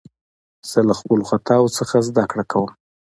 زه له خپلو خطاوو څخه زدکړه کوم.